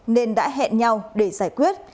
nên đã hẹn nhau để giải quyết